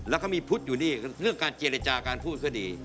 แล้วก็มีพุทธอยู่นี่เรื่องการเจรจาการพูดก็ดี